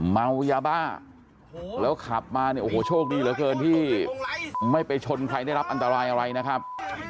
เมายาบ้าแล้วขับมาเนี่ยโอ้โหโชคดีเหลือเกินที่ไม่ไปชนใครได้รับอันตรายอะไรนะครับ